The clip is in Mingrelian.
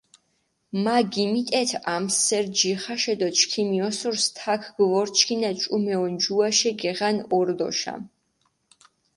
მა გიმიტეთ ამჷსერი ჯიხაშე დო ჩქიმი ოსურს თაქ გჷვორჩქინა ჭუმე ონჯუაშე გეღან ორდოშა.